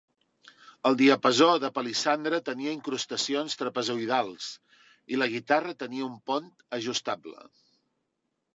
El diapasó de palissandre tenia incrustacions trapezoïdals, i la guitarra tenia un pont ajustable.